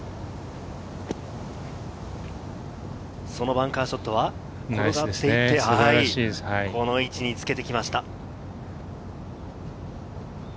バンカーショットは転がっていってこの位置につけてきました。